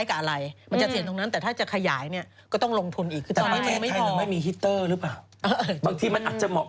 แต่เรื่องเยอรมัน